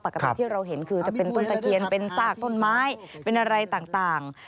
ที่เราเห็นคือจะเป็นต้นตะเคียนเป็นซากต้นไม้เป็นอะไรต่าง